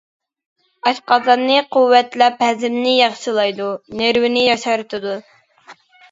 ئاشقازاننى قۇۋۋەتلەپ ھەزىمنى ياخشىلايدۇ، نېرۋىنى ياشارتىدۇ.